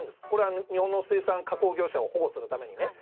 これは日本の水産加工業者を保護するために。